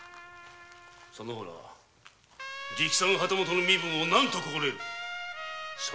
その方ら直参旗本の身分を何と心得る！？